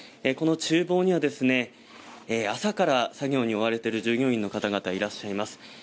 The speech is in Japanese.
この厨房には朝から作業に追われている従業員の方々がいらっしゃいます。